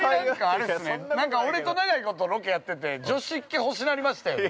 ◆なんか俺と長いことロケやってて女子っ気欲しなりましたよね。